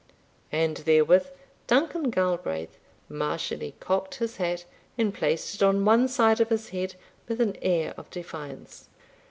And therewith Duncan Galbraith martially cocked his hat, and placed it on one side of his head with an air of defiance.